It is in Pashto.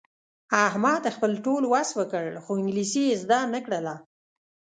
احمد خپل ټول وس وکړ، خو انګلیسي یې زده نه کړله.